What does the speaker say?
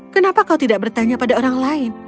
kenapa kau tidak bertanya pada orang lain